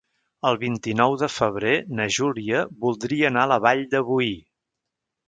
El vint-i-nou de febrer na Júlia voldria anar a la Vall de Boí.